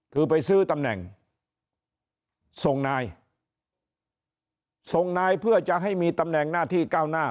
คือไปซื้อตำแหน่งส่งนายส่งนายเพื่อจะให้มีตำแหน่งหน้าที่ก้าวหน้า